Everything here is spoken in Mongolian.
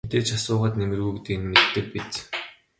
Мэдээж асуугаад нэмэргүй гэдгийг нь мэддэг биз.